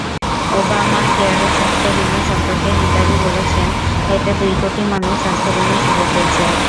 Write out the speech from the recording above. ওবামাকেয়ারের স্বাস্থ্যবিমা সম্পর্কে হিলারি বলেছেন, এতে দুই কোটি মানুষ স্বাস্থ্যবিমার সুযোগ পেয়েছে।